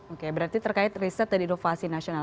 oke berarti terkait riset dan inovasi nasional